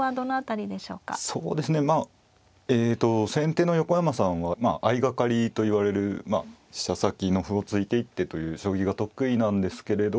そうですねまあえと先手の横山さんは相掛かりといわれる飛車先の歩を突いていってという将棋が得意なんですけれどまあ